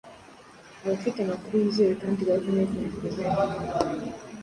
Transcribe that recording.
Abafite amakuru yizewe kandi bazi neza Museveni